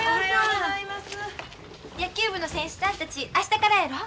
野球部の選手さんたち明日からやろ？